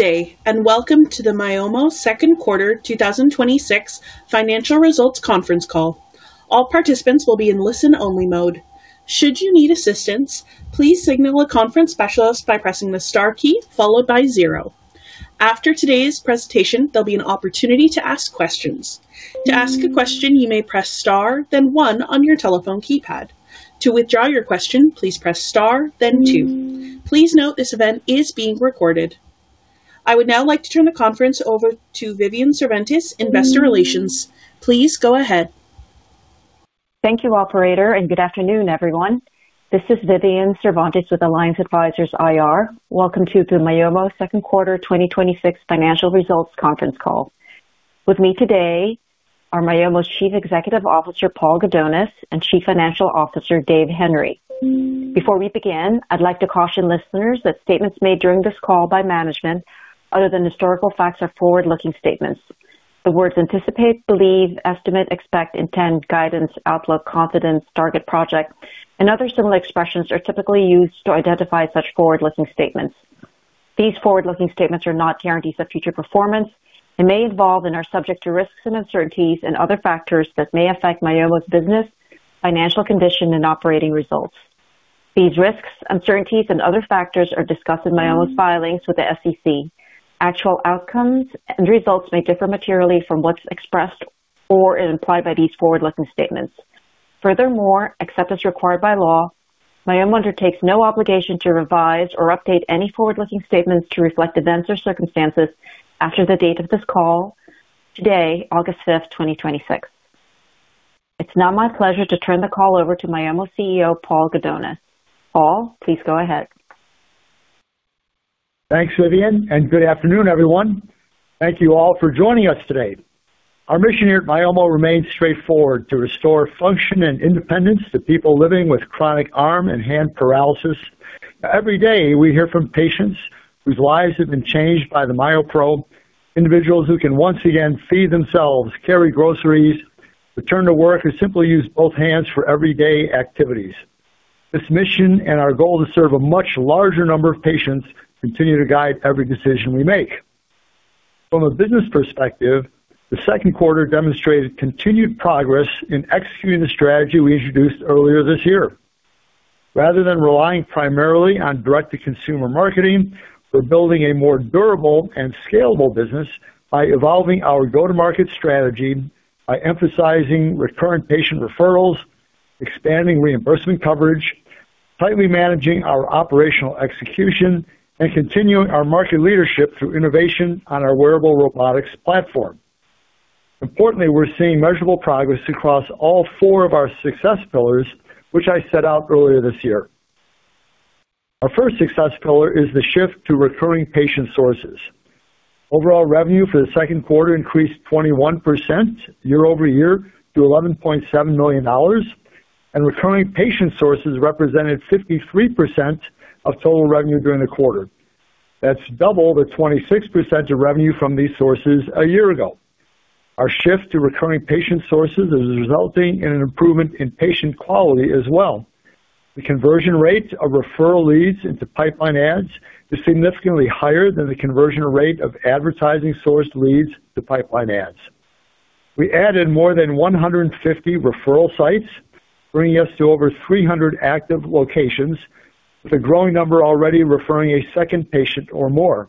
Good day, welcome to the Myomo second quarter 2026 financial results conference call. All participants will be in listen-only mode. Should you need assistance, please signal a conference specialist by pressing the star key followed by zero. After today's presentation, there'll be an opportunity to ask questions. To ask a question, you may press star then one on your telephone keypad. To withdraw your question, please press star then two. Please note this event is being recorded. I would now like to turn the conference over to Vivian Cervantes, Investor Relations. Please go ahead. Thank you, operator, good afternoon, everyone. This is Vivian Cervantes with Alliance Advisors IR. Welcome to the Myomo second quarter 2026 financial results conference call. With me today are Myomo's Chief Executive Officer, Paul R. Gudonis, and Chief Financial Officer, Dave Henry. Before we begin, I'd like to caution listeners that statements made during this call by management, other than historical facts, are forward-looking statements. The words anticipate, believe, estimate, expect, intend, guidance, outlook, confidence, target, project, and other similar expressions are typically used to identify such forward-looking statements. These forward-looking statements are not guarantees of future performance and may involve and are subject to risks and uncertainties and other factors that may affect Myomo's business, financial condition and operating results. These risks, uncertainties, and other factors are discussed in Myomo's filings with the SEC. Actual outcomes and results may differ materially from what's expressed or is implied by these forward-looking statements. Furthermore, except as required by law, Myomo undertakes no obligation to revise or update any forward-looking statements to reflect events or circumstances after the date of this call, today, August 5th, 2026. It's now my pleasure to turn the call over to Myomo CEO, Paul R. Gudonis. Paul, please go ahead. Thanks, Vivian, good afternoon, everyone. Thank you all for joining us today. Our mission here at Myomo remains straightforward: to restore function and independence to people living with chronic arm and hand paralysis. Every day, we hear from patients whose lives have been changed by the MyoPro, individuals who can once again feed themselves, carry groceries, return to work, or simply use both hands for everyday activities. This mission and our goal to serve a much larger number of patients continue to guide every decision we make. From a business perspective, the second quarter demonstrated continued progress in executing the strategy we introduced earlier this year. Rather than relying primarily on direct-to-consumer marketing, we're building a more durable and scalable business by evolving our go-to-market strategy by emphasizing recurring patient referrals, expanding reimbursement coverage, tightly managing our operational execution, and continuing our market leadership through innovation on our wearable robotics platform. Importantly, we're seeing measurable progress across all four of our success pillars, which I set out earlier this year. Our first success pillar is the shift to recurring patient sources. Overall revenue for the second quarter increased 21% year-over-year to $11.7 million, and recurring patient sources represented 53% of total revenue during the quarter. That's double the 26% of revenue from these sources a year ago. Our shift to recurring patient sources is resulting in an improvement in patient quality as well. The conversion rate of referral leads into pipeline adds is significantly higher than the conversion rate of advertising sourced leads to pipeline adds. We added more than 150 referral sites, bringing us to over 300 active locations, with a growing number already referring a second patient or more.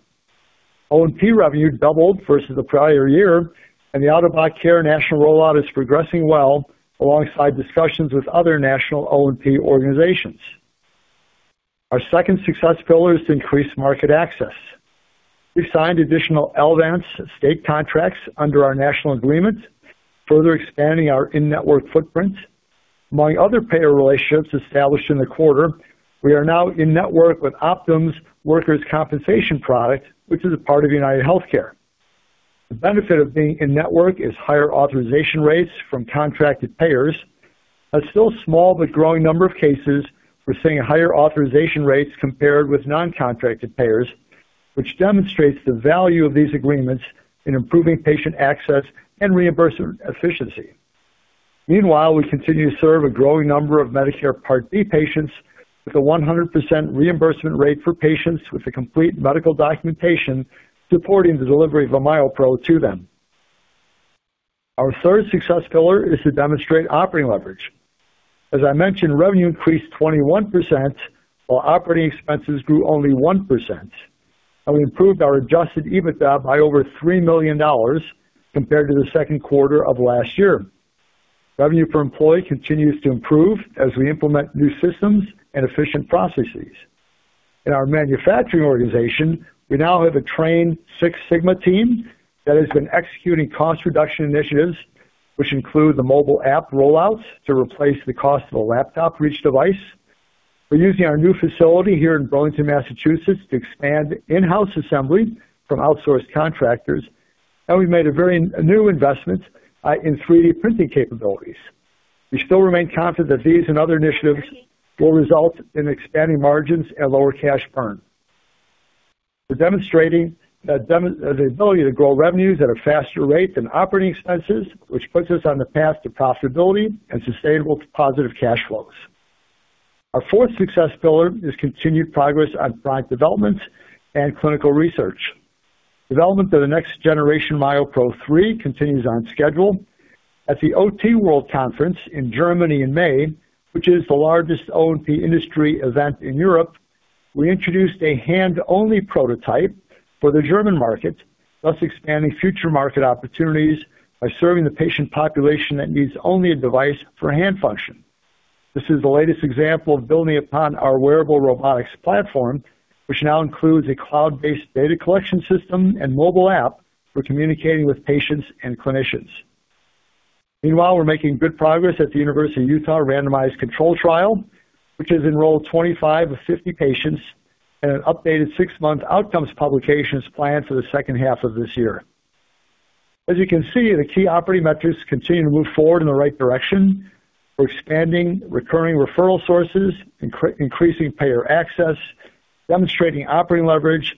O&P revenue doubled versus the prior year, and the out-of-pocket care national rollout is progressing well alongside discussions with other national O&P organizations. Our second success pillar is to increase market access. We've signed additional Elevance state contracts under our national agreement, further expanding our in-network footprint. Among other payer relationships established in the quarter, we are now in network with Optum's workers' compensation product, which is a part of UnitedHealthcare. The benefit of being in network is higher authorization rates from contracted payers. A still small but growing number of cases, we're seeing higher authorization rates compared with non-contracted payers, which demonstrates the value of these agreements in improving patient access and reimbursement efficiency. Meanwhile, we continue to serve a growing number of Medicare Part B patients with a 100% reimbursement rate for patients with the complete medical documentation supporting the delivery of a MyoPro to them. Our third success pillar is to demonstrate operating leverage. As I mentioned, revenue increased 21% while operating expenses grew only 1%. We improved our adjusted EBITDA by over $3 million compared to the second quarter of last year. Revenue per employee continues to improve as we implement new systems and efficient processes. In our manufacturing organization, we now have a trained Six Sigma team that has been executing cost reduction initiatives, which include the mobile app rollouts to replace the cost of a laptop for each device. We're using our new facility here in Burlington, Massachusetts, to expand in-house assembly from outsourced contractors, and we made a very new investment in 3D printing capabilities. We still remain confident that these and other initiatives will result in expanding margins and lower cash burn. We're demonstrating the ability to grow revenues at a faster rate than operating expenses, which puts us on the path to profitability and sustainable positive cash flows. Our fourth success pillar is continued progress on product development and clinical research. Development of the next generation MyoPro 3 continues on schedule. At the OTWorld Conference in Germany in May, which is the largest O&P industry event in Europe, we introduced a hand-only prototype for the German market, thus expanding future market opportunities by serving the patient population that needs only a device for hand function. This is the latest example of building upon our wearable robotics platform, which now includes a cloud-based data collection system and mobile app for communicating with patients and clinicians. Meanwhile, we're making good progress at the University of Utah randomized control trial, which has enrolled 25 of 50 patients and an updated six-month outcomes publication is planned for the second half of this year. As you can see, the key operating metrics continue to move forward in the right direction. We're expanding recurring referral sources, increasing payer access, demonstrating operating leverage,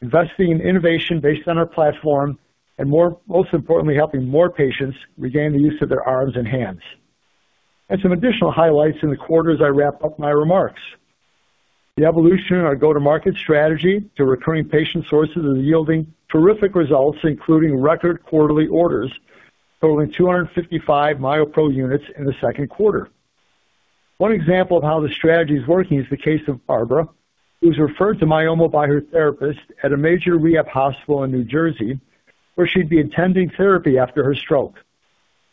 investing in innovation based on our platform, and most importantly, helping more patients regain the use of their arms and hands. Some additional highlights in the quarter as I wrap up my remarks. The evolution in our go-to-market strategy to recurring patient sources is yielding terrific results, including record quarterly orders totaling 255 MyoPro units in the second quarter. One example of how the strategy is working is the case of Barbara, who was referred to Myomo by her therapist at a major rehab hospital in New Jersey, where she'd be attending therapy after her stroke.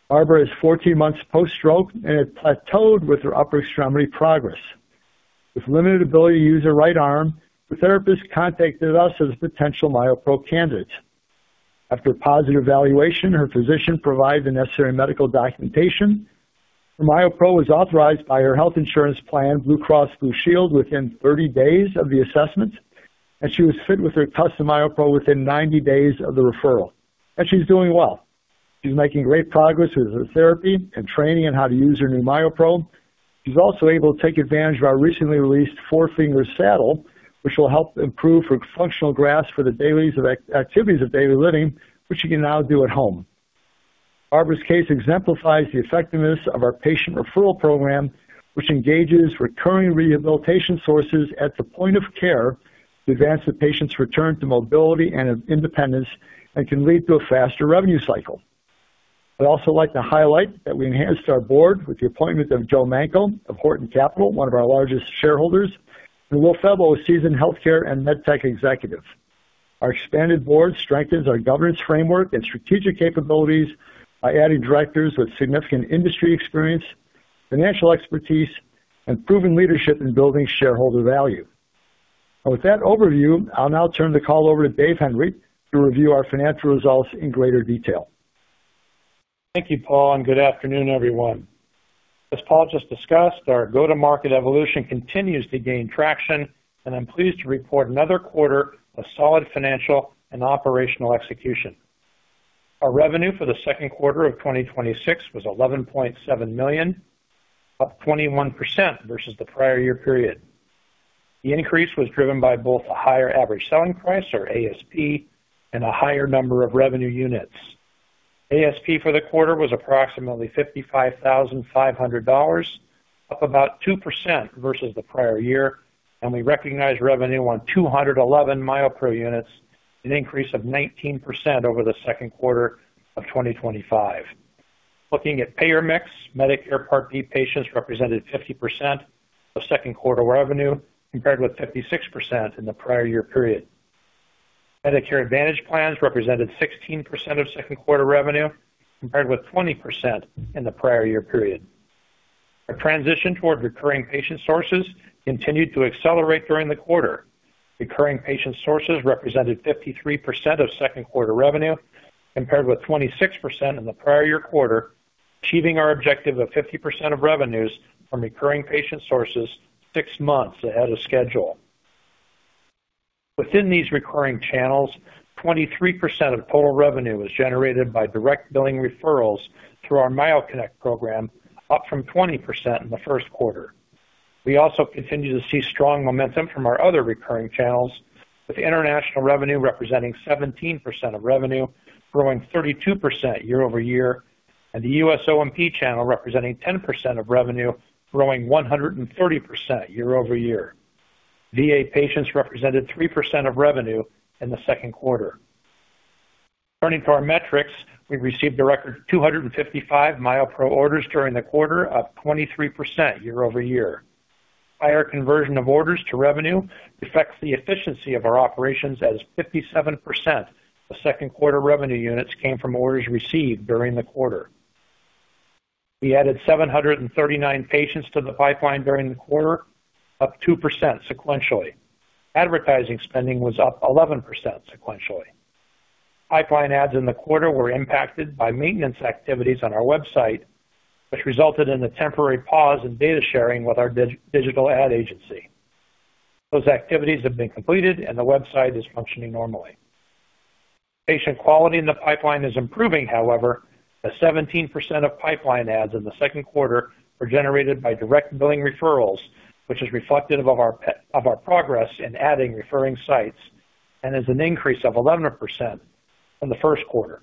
Barbara is 14 months post-stroke and had plateaued with her upper extremity progress. With limited ability to use her right arm, the therapist contacted us as a potential MyoPro candidate. After a positive evaluation, her physician provided the necessary medical documentation. Her MyoPro was authorized by her health insurance plan, Blue Cross Blue Shield, within 30 days of the assessment, and she was fit with her custom MyoPro within 90 days of the referral. She's doing well. She's making great progress with her therapy and training on how to use her new MyoPro. She's also able to take advantage of our recently released four-finger saddle, which will help improve her functional grasp for the activities of daily living, which she can now do at home. Barbara's case exemplifies the effectiveness of our patient referral program, which engages recurring rehabilitation sources at the point of care to advance the patient's return to mobility and independence and can lead to a faster revenue cycle. I'd also like to highlight that we enhanced our board with the appointment of Joe Manko of Horton Capital, one of our largest shareholders, and Will Febbo, a seasoned healthcare and med tech executive. Our expanded board strengthens our governance framework and strategic capabilities by adding directors with significant industry experience, financial expertise, and proven leadership in building shareholder value. With that overview, I'll now turn the call over to Dave Henry to review our financial results in greater detail. Thank you, Paul, and good afternoon, everyone. As Paul just discussed, our go-to-market evolution continues to gain traction, and I am pleased to report another quarter of solid financial and operational execution. Our revenue for the second quarter of 2026 was $11.7 million, up 21% versus the prior year period. The increase was driven by both a higher average selling price, or ASP, and a higher number of revenue units. ASP for the quarter was approximately $55,500, up about 2% versus the prior year. We recognized revenue on 211 MyoPro units, an increase of 19% over the second quarter of 2025. Looking at payer mix, Medicare Part D patients represented 50% of second quarter revenue, compared with 56% in the prior year period. Medicare Advantage plans represented 16% of second quarter revenue, compared with 20% in the prior year period. Our transition toward recurring patient sources continued to accelerate during the quarter. Recurring patient sources represented 53% of second quarter revenue, compared with 26% in the prior year quarter, achieving our objective of 50% of revenues from recurring patient sources six months ahead of schedule. Within these recurring channels, 23% of total revenue was generated by direct billing referrals through our MyoConnect program, up from 20% in the first quarter. We also continue to see strong momentum from our other recurring channels, with international revenue representing 17% of revenue, growing 32% year-over-year, and the U.S. O&P channel representing 10% of revenue, growing 130% year-over-year. VA patients represented 3% of revenue in the second quarter. Turning to our metrics, we received a record 255 MyoPro orders during the quarter, up 23% year-over-year. Higher conversion of orders to revenue reflects the efficiency of our operations, as 57% of second quarter revenue units came from orders received during the quarter. We added 739 patients to the pipeline during the quarter, up 2% sequentially. Advertising spending was up 11% sequentially. Pipeline adds in the quarter were impacted by maintenance activities on our website, which resulted in a temporary pause in data sharing with our digital ad agency. Those activities have been completed and the website is functioning normally. Patient quality in the pipeline is improving, however, as 17% of pipeline adds in the second quarter were generated by direct billing referrals, which is reflective of our progress in adding referring sites and is an increase of 11% from the first quarter.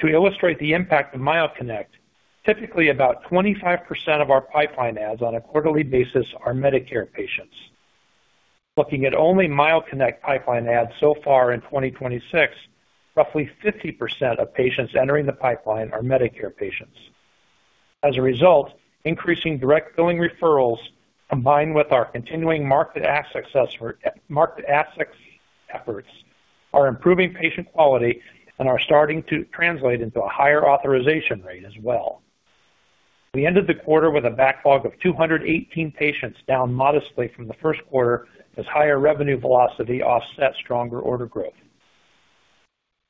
To illustrate the impact of MyoConnect, typically about 25% of our pipeline adds on a quarterly basis are Medicare patients. Looking at only MyoConnect pipeline adds so far in 2026, roughly 50% of patients entering the pipeline are Medicare patients. As a result, increasing direct billing referrals, combined with our continuing market access efforts, are improving patient quality and are starting to translate into a higher authorization rate as well. We ended the quarter with a backlog of 218 patients, down modestly from the first quarter as higher revenue velocity offset stronger order growth.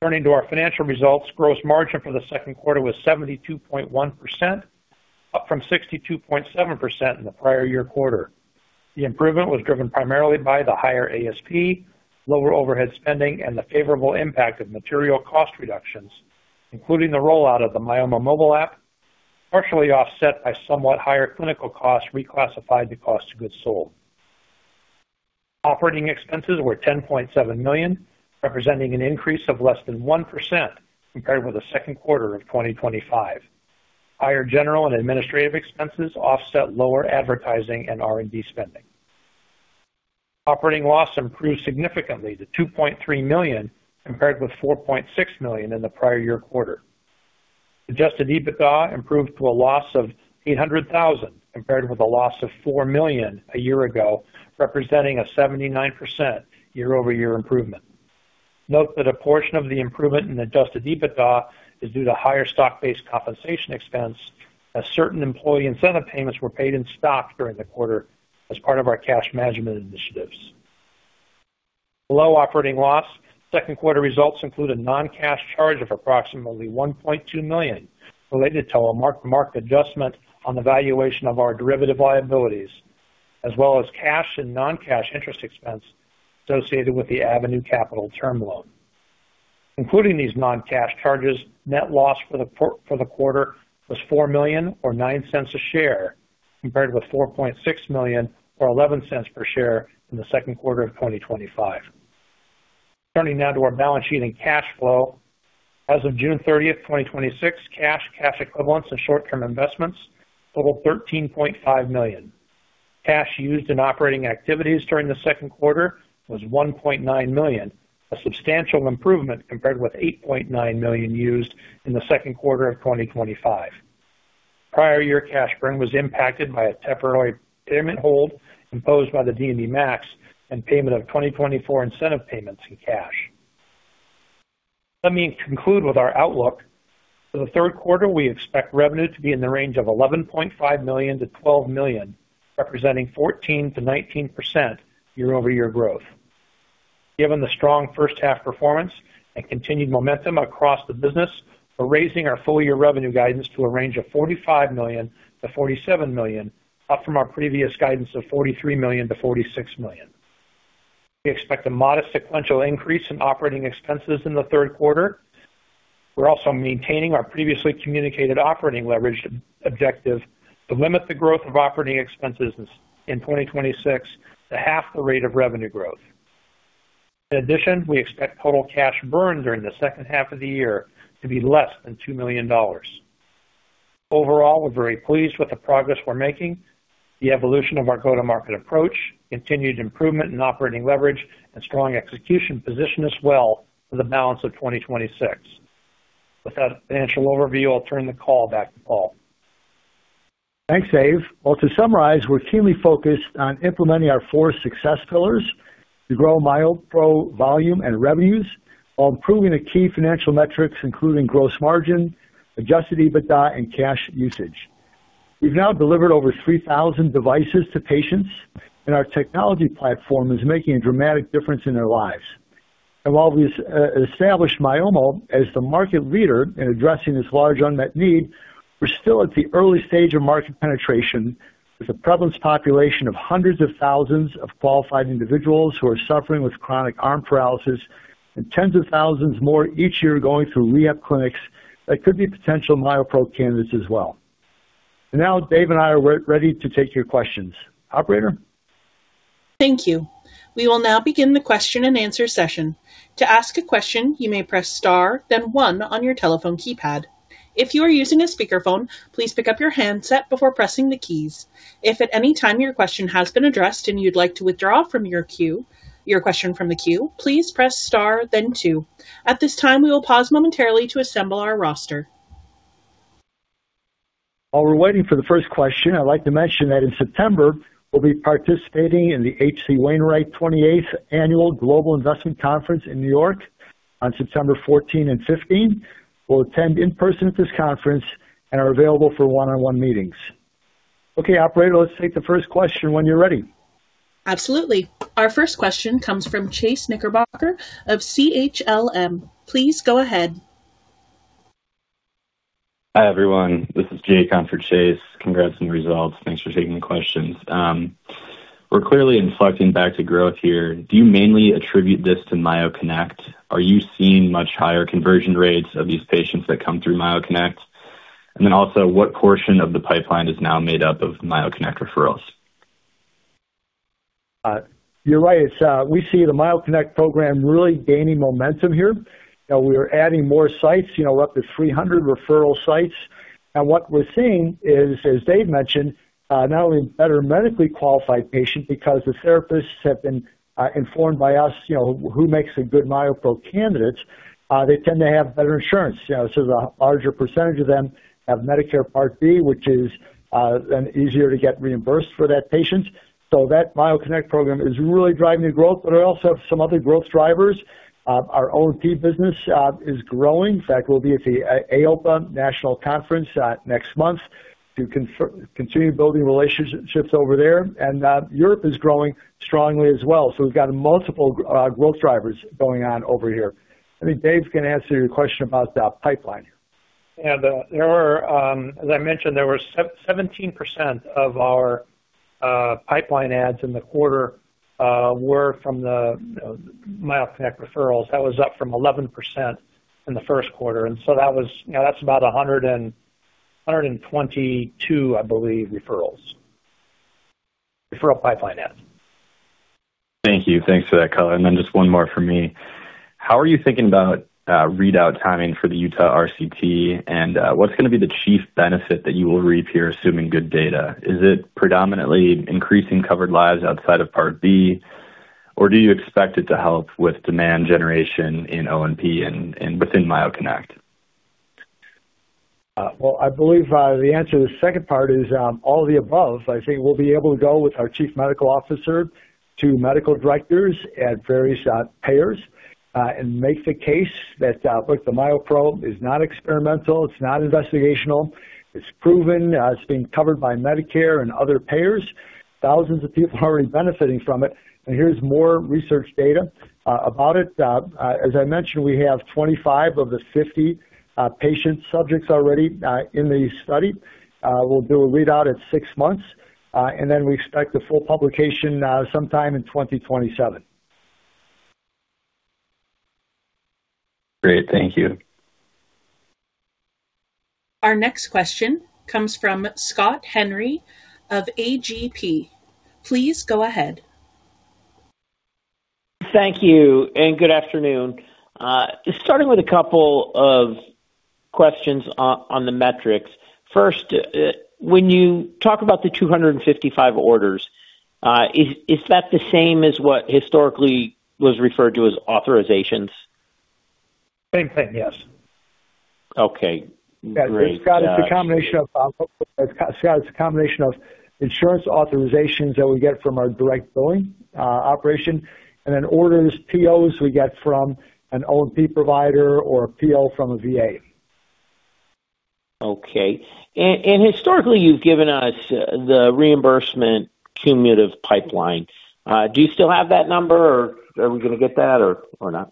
Turning to our financial results, gross margin for the second quarter was 72.1%, up from 62.7% in the prior year quarter. The improvement was driven primarily by the higher ASP, lower overhead spending, and the favorable impact of material cost reductions, including the rollout of the Myomo mobile app, partially offset by somewhat higher clinical costs reclassified to cost of goods sold. Operating expenses were $10.7 million, representing an increase of less than 1% compared with the second quarter of 2025. Higher general and administrative expenses offset lower advertising and R&D spending. Operating loss improved significantly to $2.3 million, compared with $4.6 million in the prior year quarter. Adjusted EBITDA improved to a loss of $800,000, compared with a loss of $4 million a year ago, representing a 79% year-over-year improvement. Note that a portion of the improvement in adjusted EBITDA is due to higher stock-based compensation expense, as certain employee incentive payments were paid in stock during the quarter as part of our cash management initiatives. Below operating loss, second quarter results include a non-cash charge of approximately $1.2 million related to a mark-to-market adjustment on the valuation of our derivative liabilities, as well as cash and non-cash interest expense associated with the Avenue Capital term loan. Including these non-cash charges, net loss for the quarter was $4 million, or $0.09 a share, compared with $4.6 million or $0.11 per share in the second quarter of 2025. Turning now to our balance sheet and cash flow. As of June 30th, 2026, cash equivalents, and short-term investments total $13.5 million. Cash used in operating activities during the second quarter was $1.9 million, a substantial improvement compared with $8.9 million used in the second quarter of 2025. Prior year cash burn was impacted by a temporary payment hold imposed by the DME MACs and payment of 2024 incentive payments in cash. Let me conclude with our outlook. For the third quarter, we expect revenue to be in the range of $11.5 million-$12 million, representing 14%-19% year-over-year growth. Given the strong first half performance and continued momentum across the business, we're raising our full year revenue guidance to a range of $45 million-$47 million, up from our previous guidance of $43 million-$46 million. We expect a modest sequential increase in operating expenses in the third quarter. We're also maintaining our previously communicated operating leverage objective to limit the growth of operating expenses in 2026 to half the rate of revenue growth. In addition, we expect total cash burn during the second half of the year to be less than $2 million. Overall, we're very pleased with the progress we're making. The evolution of our go-to-market approach, continued improvement in operating leverage, and strong execution position us well for the balance of 2026. With that financial overview, I'll turn the call back to Paul. Thanks, Dave. Well, to summarize, we're keenly focused on implementing our four success pillars to grow MyoPro volume and revenues while improving the key financial metrics, including gross margin, adjusted EBITDA, and cash usage. We've now delivered over 3,000 devices to patients, and our technology platform is making a dramatic difference in their lives. While we've established Myomo as the market leader in addressing this large unmet need, we're still at the early stage of market penetration, with a prevalence population of hundreds of thousands of qualified individuals who are suffering with chronic arm paralysis and tens of thousands more each year going through rehab clinics that could be potential MyoPro candidates as well. Dave and I are ready to take your questions. Operator? Thank you. We will now begin the question and answer session. To ask a question, you may press star then one on your telephone keypad. If you are using a speakerphone, please pick up your handset before pressing the keys. If at any time your question has been addressed and you'd like to withdraw your question from the queue, please press star then two. At this time, we will pause momentarily to assemble our roster. While we're waiting for the first question, I'd like to mention that in September, we'll be participating in the H.C. Wainwright 28th Annual Global Investment Conference in New York on September 14 and 15. We'll attend in person at this conference and are available for one-on-one meetings. Okay, operator, let's take the first question when you're ready. Absolutely. Our first question comes from Chase Knickerbocker of Craig-Hallum. Please go ahead. Hi, everyone. This is Jake on for Chase. Congrats on the results. Thanks for taking the questions. We're clearly inflecting back to growth here. Do you mainly attribute this to MyoConnect? Are you seeing much higher conversion rates of these patients that come through MyoConnect? Also, what portion of the pipeline is now made up of MyoConnect referrals? You're right. We see the MyoConnect program really gaining momentum here. We are adding more sites, up to 300 referral sites. What we're seeing is, as Dave mentioned, not only better medically qualified patients because the therapists have been informed by us who makes a good MyoPro candidate, they tend to have better insurance. A larger percentage of them have Medicare Part B, which is an easier to get reimbursed for that patient. That MyoConnect program is really driving the growth. I also have some other growth drivers. Our O&P business is growing. In fact, we'll be at the AOPA National Conference next month to continue building relationships over there. Europe is growing strongly as well. We've got multiple growth drivers going on over here. I think Dave's going to answer your question about the pipeline. Yeah. As I mentioned, there were 17% of our pipeline adds in the quarter were from the MyoConnect referrals. That was up from 11% in the first quarter. That's about 122, I believe, referrals. Referral pipeline adds. Thank you. Thanks for that color. Just one more from me. How are you thinking about readout timing for the Utah RCT, and what's going to be the chief benefit that you will reap here, assuming good data? Is it predominantly increasing covered lives outside of Part B, or do you expect it to help with demand generation in O&P and within MyoConnect? Well, I believe the answer to the second part is all of the above. I think we'll be able to go with our chief medical officer to medical directors at various payers and make the case that, look, the MyoPro is not experimental, it's not investigational. It's proven. It's being covered by Medicare and other payers. Thousands of people are benefiting from it, here's more research data about it. As I mentioned, we have 25 of the 50 patient subjects already in the study. We'll do a readout at six months, we expect the full publication sometime in 2027. Great. Thank you. Our next question comes from Scott Henry of AGP. Please go ahead. Thank you. Good afternoon. Just starting with a couple of questions on the metrics. First, when you talk about the 255 orders, is that the same as what historically was referred to as authorizations? Same thing, yes. Okay, great. Scott, it's a combination of insurance authorizations that we get from our direct billing operation, and then orders, POs we get from an O&P provider or a PO from a VA. Okay. Historically, you've given us the reimbursement cumulative pipeline. Do you still have that number, or are we going to get that or not?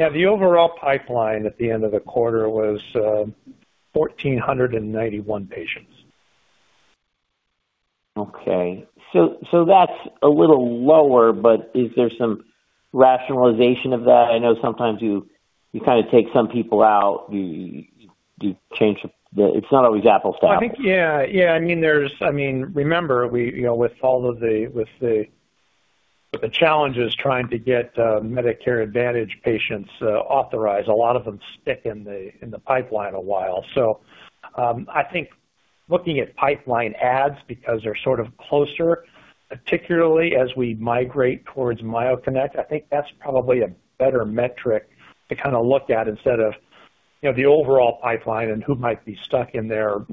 Yeah. The overall pipeline at the end of the quarter was 1,491 patients. Okay. That's a little lower, but is there some rationalization of that? I know sometimes you kind of take some people out. It's not always apples to apples. I think, yeah. Remember, with all of the challenges trying to get Medicare Advantage patients authorized, a lot of them stick in the pipeline a while. I think looking at pipeline adds because they're sort of closer, particularly as we migrate towards MyoConnect, I think that's probably a better metric to kind of look at instead of the overall pipeline and who might be stuck in there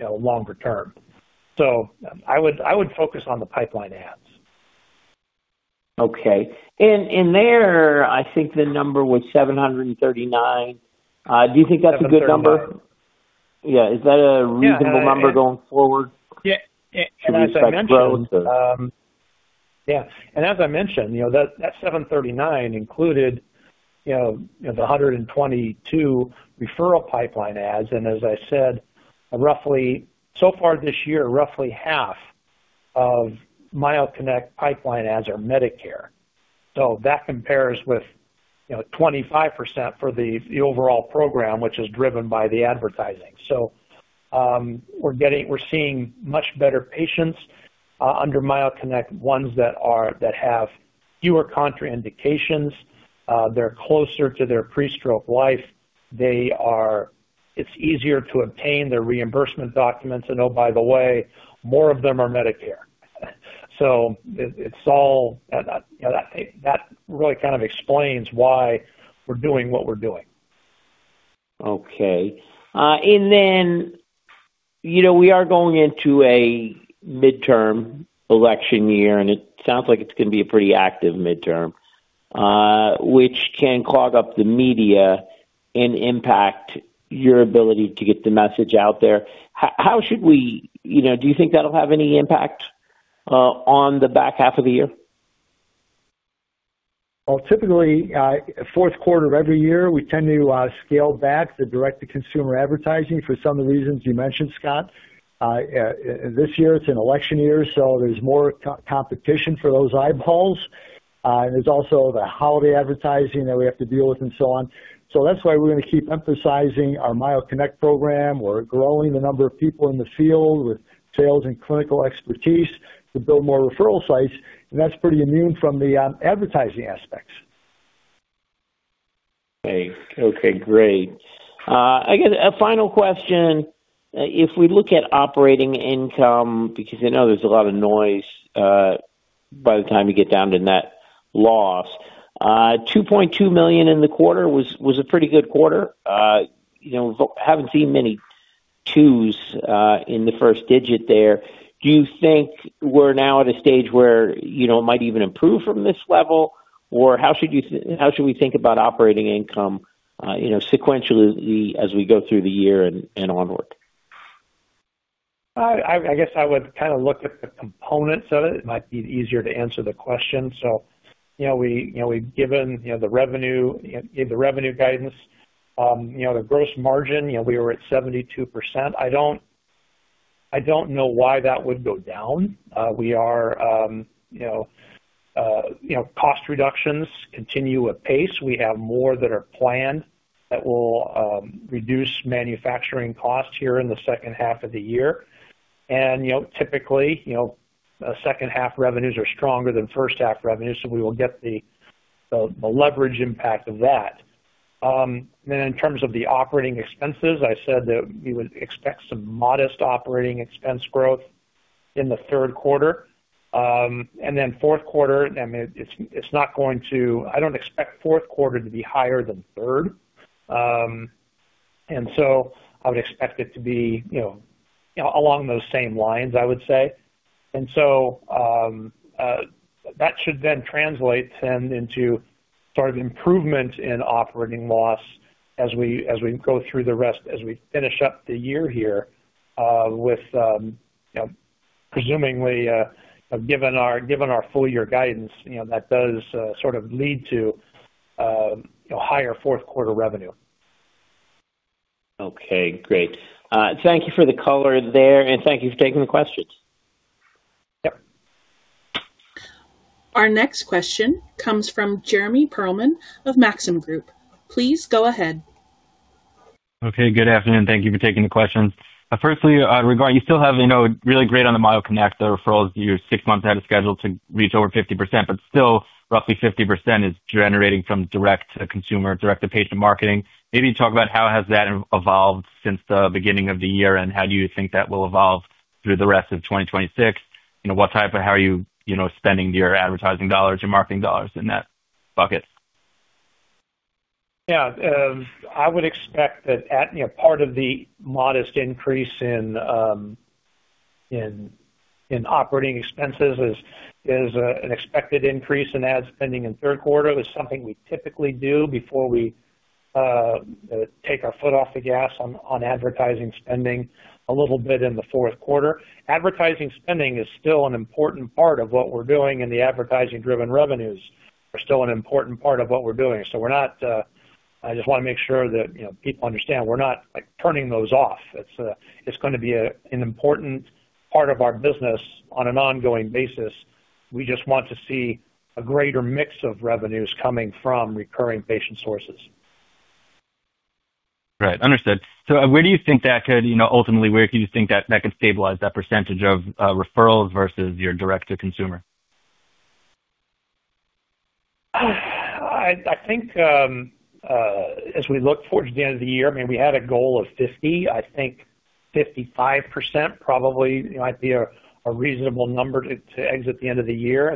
longer term. I would focus on the pipeline adds. Okay. In there, I think the number was 739. Do you think that's a good number? 739. Yeah. Is that a reasonable number going forward to reflect growth? Yeah. As I mentioned, that 739 included the 122 referral pipeline adds. As I said, so far this year, roughly half of MyoConnect pipeline adds are Medicare. That compares with 25% for the overall program, which is driven by the advertising. We're seeing much better patients under MyoConnect, ones that have fewer contraindications. They're closer to their pre-stroke life. It's easier to obtain their reimbursement documents, and oh, by the way, more of them are Medicare. That really kind of explains why we're doing what we're doing. Okay. Then, we are going into a midterm election year, it sounds like it's going to be a pretty active midterm, which can clog up the media and impact your ability to get the message out there. Do you think that'll have any impact on the back half of the year? Typically, fourth quarter of every year, we tend to scale back the direct-to-consumer advertising for some of the reasons you mentioned, Scott. This year it's an election year, there's more competition for those eyeballs. There's also the holiday advertising that we have to deal with, and so on. That's why we're going to keep emphasizing our MyoConnect program. We're growing the number of people in the field with sales and clinical expertise to build more referral sites, and that's pretty immune from the advertising aspects. Okay, great. I guess a final question, if we look at operating income, because I know there's a lot of noise by the time you get down to net loss. $2.2 million in the quarter was a pretty good quarter. Haven't seen many twos in the first digit there. Do you think we're now at a stage where it might even improve from this level? Or how should we think about operating income sequentially as we go through the year and onward? I guess I would kind of look at the components of it. It might be easier to answer the question. We've given the revenue guidance. The gross margin, we were at 72%. I don't know why that would go down. Cost reductions continue at pace. We have more that are planned that will reduce manufacturing costs here in the second half of the year. Typically, second half revenues are stronger than first half revenues, so we will get the leverage impact of that. In terms of the operating expenses, I said that we would expect some modest operating expense growth in the third quarter. Fourth quarter, I don't expect fourth quarter to be higher than third. I would expect it to be along those same lines, I would say. That should then translate then into sort of improvement in operating loss as we go through the rest, as we finish up the year here with presumingly, given our full-year guidance, that does sort of lead to higher fourth quarter revenue. Okay, great. Thank you for the color there, and thank you for taking the questions. Yep. Our next question comes from Jeremy Pearlman of Maxim Group. Please go ahead. Okay. Good afternoon. Thank you for taking the question. Firstly, regarding you still have really great on the MyoConnect, the referrals, you're six months ahead of schedule to reach over 50%, but still roughly 50% is generating from direct consumer, direct-to-patient marketing. Maybe talk about how has that evolved since the beginning of the year, and how do you think that will evolve through the rest of 2026? How are you spending your advertising dollars, your marketing dollars in that bucket? Yeah. I would expect that part of the modest increase in operating expenses is an expected increase in ad spending in third quarter, is something we typically do before we take our foot off the gas on advertising spending a little bit in the fourth quarter. Advertising spending is still an important part of what we're doing, and the advertising-driven revenues are still an important part of what we're doing. I just want to make sure that people understand we're not turning those off. It's going to be an important part of our business on an ongoing basis. We just want to see a greater mix of revenues coming from recurring patient sources. Right. Understood. Where can you think that could ultimately stabilize that percentage of referrals versus your direct to consumer? I think as we look towards the end of the year, I mean, we had a goal of 50. I think 55% probably might be a reasonable number to exit the end of the year.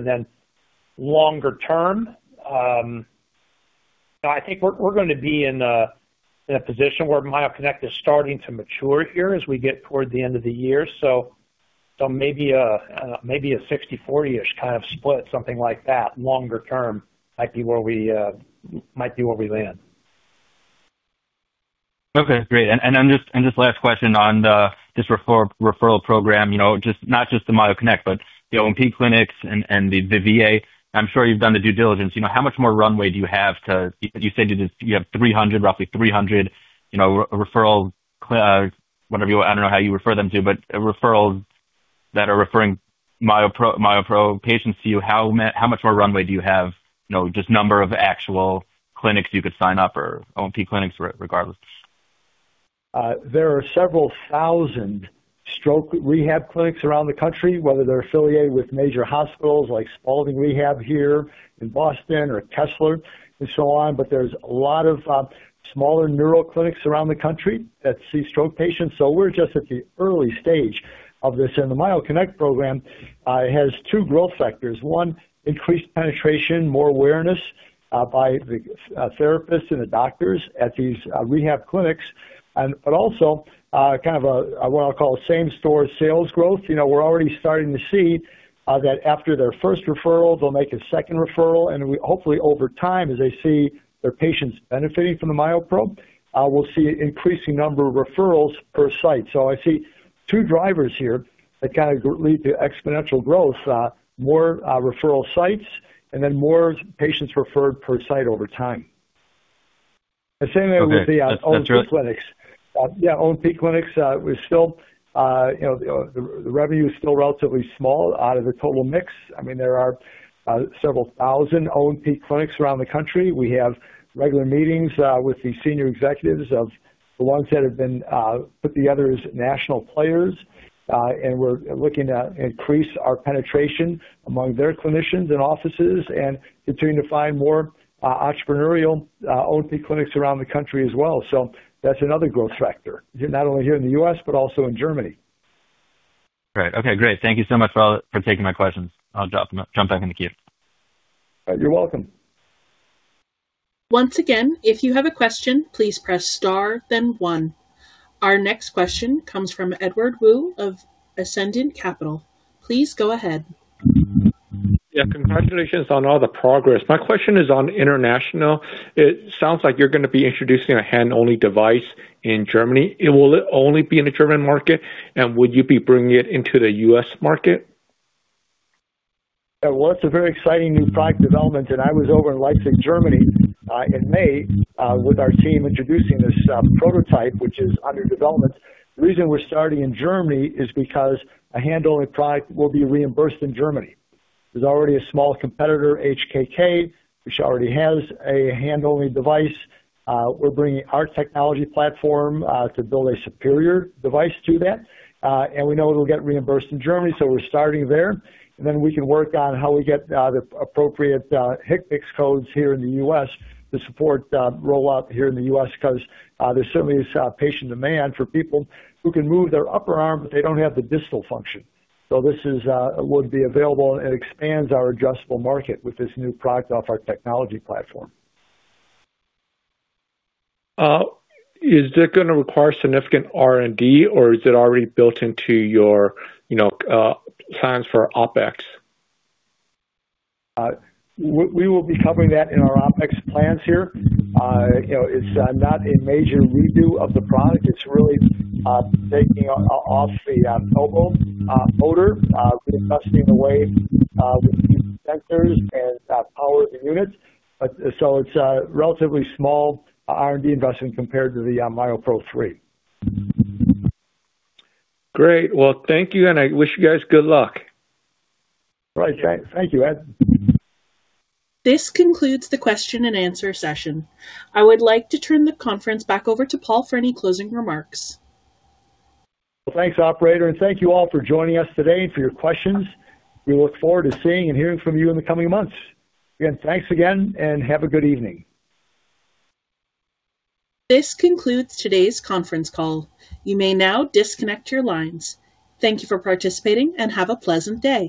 Longer term, I think we're going to be in a position where MyoConnect is starting to mature here as we get toward the end of the year. Maybe a 60/40-ish kind of split, something like that, longer term might be where we land. Okay, great. Just last question on this referral program, not just the MyoConnect, but the O&P clinics and the VA. I'm sure you've done the due diligence. How much more runway do you have? You said you have 300, roughly 300 referrals, whatever you, I don't know how you refer them to, but referrals that are referring MyoPro patients to you. How much more runway do you have? Just number of actual clinics you could sign up or O&P clinics regardless. There are several thousand stroke rehab clinics around the country, whether they're affiliated with major hospitals like Spaulding Rehabilitation Hospital here in Boston or Kessler Rehabilitation Center and so on. There's a lot of smaller neuro clinics around the country that see stroke patients. We're just at the early stage of this, and the MyoConnect program has two growth factors. One, increased penetration, more awareness by the therapists and the doctors at these rehab clinics, but also kind of what I'll call same-store sales growth. We're already starting to see that after their first referral, they'll make a second referral. Hopefully over time, as they see their patients benefiting from the MyoPro, we'll see increasing number of referrals per site. I see two drivers here that kind of lead to exponential growth. More referral sites and then more patients referred per site over time. The same thing with the O&P clinics. Yeah, O&P clinics. The revenue is still relatively small out of the total mix. There are several thousand O&P clinics around the country. We have regular meetings with the senior executives of the ones that have been put together as national players. We're looking to increase our penetration among their clinicians and offices and continuing to find more entrepreneurial O&P clinics around the country as well. That's another growth factor, not only here in the U.S., but also in Germany. Great. Okay, great. Thank you so much for taking my questions. I'll jump back in the queue. You're welcome. Once again, if you have a question, please press star then one. Our next question comes from Edward Woo of Ascendiant Capital. Please go ahead. Yeah. Congratulations on all the progress. My question is on international. It sounds like you're going to be introducing a hand only device in Germany. Will it only be in the German market, and would you be bringing it into the U.S. market? Well, that's a very exciting new product development, and I was over in Leipzig, Germany in May with our team introducing this prototype, which is under development. The reason we're starting in Germany is because a hand-only product will be reimbursed in Germany. There's already a small competitor, HKK, which already has a hand-only device. We're bringing our technology platform to build a superior device to that. We know it'll get reimbursed in Germany, so we're starting there. Then we can work on how we get the appropriate HCPCS codes here in the U.S. to support rollout here in the U.S., because there certainly is patient demand for people who can move their upper arm, but they don't have the distal function. This would be available and expands our addressable market with this new product off our technology platform. Is it going to require significant R&D, or is it already built into your plans for OpEx? We will be covering that in our OpEx plans here. It's not a major redo of the product. It's really taking off the Myo motor, reinvesting the weight with new sensors and powers and units. It's a relatively small R&D investment compared to the MyoPro 3. Great. Well, thank you. I wish you guys good luck. All right. Thank you, Ed. This concludes the question and answer session. I would like to turn the conference back over to Paul for any closing remarks. Well, thanks, operator, and thank you all for joining us today and for your questions. We look forward to seeing and hearing from you in the coming months. Again, thanks again, and have a good evening. This concludes today's conference call. You may now disconnect your lines. Thank you for participating, and have a pleasant day.